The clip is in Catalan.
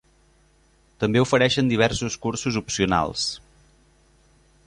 També ofereixen diversos cursos opcionals.